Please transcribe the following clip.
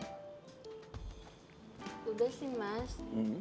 udah sih mas